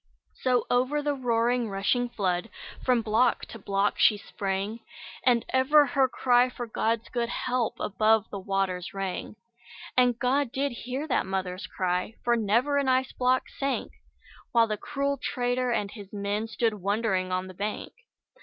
So over the roaring rushing flood, From block to block she sprang, And ever her cry for God's good help Above the waters rang. And God did hear that mother's cry, For never an ice block sank; While the cruel trader and his men Stood wondering on the bank.